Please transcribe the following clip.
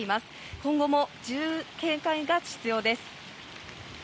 今後も十分な警戒が必要です。